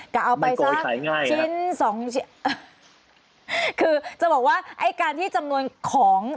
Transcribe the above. ก็เอาไปสักชิ้นสองชิ้นคือจะบอกว่าไอ้การที่จำนวนของ